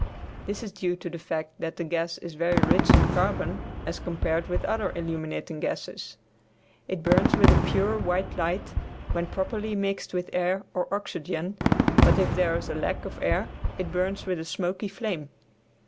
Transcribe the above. This is due to the fact that the gas is very rich in carbon as compared with other illuminating gases. It burns with a pure white light when properly mixed with air or oxygen, but if there is a lack of air it burns with a smoky flame.